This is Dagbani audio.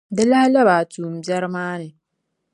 Di lahi labi a tummbiɛri maa ni.